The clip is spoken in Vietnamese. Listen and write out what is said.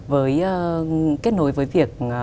với kết nối với việc